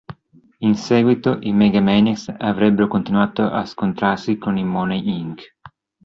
In seguito, i Mega-Maniacs avrebbero continuato a scontrarsi con i Money Inc.